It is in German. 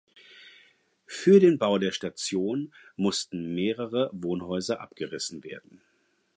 Für den Bau der Station mussten mehrere Wohnhäuser abgerissen werden.